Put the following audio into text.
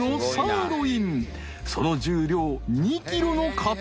［その重量２ｋｇの塊肉］